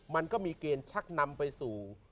มันก็มีเกณฑ์ชักนำไปสู่